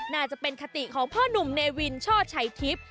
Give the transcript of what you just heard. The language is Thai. น่าจะเป็นคติของพ่อหนุ่มเนวินช่อชัยทิพย์